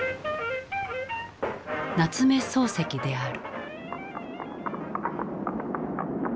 夏目漱石である。